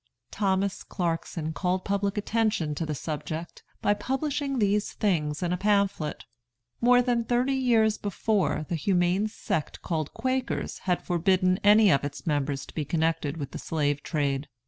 Thomas Clarkson called public attention to the subject by publishing these things in a pamphlet. More than thirty years before, the humane sect called Quakers had forbidden any of its members to be connected with the slave trade.